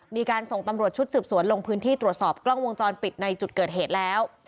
มีการส่งตำรวจชุดสืบสวนลงพื้นที่ตรวจสอบกล้องวงจรปิดในจุดเกิดเหตุแล้ว